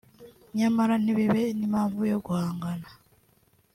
nyamara ntibibe n’impamvu yo guhangana